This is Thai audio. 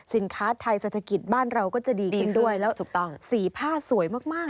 สินค้าไทยเศรษฐกิจบ้านเราก็จะดีขึ้นด้วยแล้วถูกต้องสีผ้าสวยมากมาก